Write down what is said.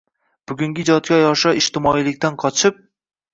– Bugungi ijodkor yoshlar ijtimoiylikdan qochib